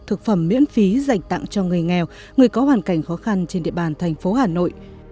thực phẩm miễn phí dành tặng cho người nghèo người có hoàn cảnh khó khăn trên địa bàn thành phố hà nội